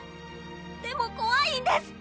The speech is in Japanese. でもこわいんです